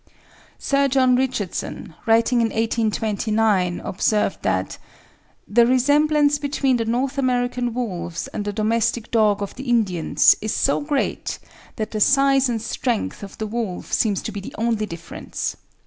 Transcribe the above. Sir John Richardson, writing in 1829, observed that "the resemblance between the North American wolves and the domestic dog of the Indians is so great that the size and strength of the wolf seems to be the only difference.